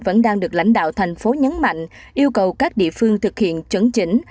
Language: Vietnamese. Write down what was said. vẫn đang được lãnh đạo thành phố nhấn mạnh yêu cầu các địa phương thực hiện chấn chỉnh